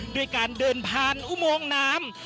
ด้วยการเดินผ่านอุโมงน้ำ